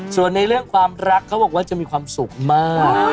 ส่วนในเรื่องความรักเขาบอกว่าจะมีความสุขมาก